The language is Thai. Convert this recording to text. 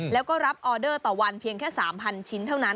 แล้วก็รับออเดอร์ต่อวันเพียงแค่๓๐๐ชิ้นเท่านั้น